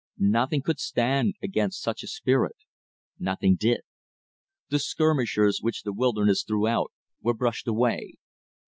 Nothing could stand against such a spirit. Nothing did. The skirmishers which the wilderness threw out, were brushed away.